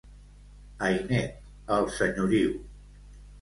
Ainet, el senyoriu.